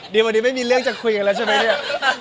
เดี๋ยววันนี้ไม่มีเรื่องจะคุยกันแล้วใช่ไหมเนี่ย